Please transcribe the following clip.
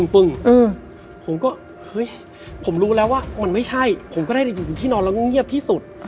ผมก็เฮ้ยผมรู้แล้วว่ามันไม่ใช่ผมก็ได้อยู่ที่นอนแล้วก็เงียบที่สุด